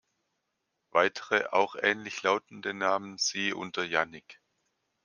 Weitere auch ähnlich lautende Namen siehe unter Yannick.